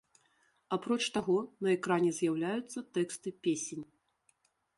Апроч таго, на экране з'яўляюцца тэксты песень.